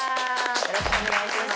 よろしくお願いします！